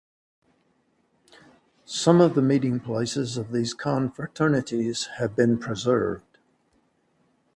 Some of the meeting places of these confraternities have been preserved.